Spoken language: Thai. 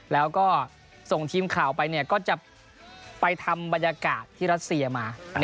แล้วก็ส่งทีมข่าวไปก็จะไปทำบรรยากาศที่รัสเซียมา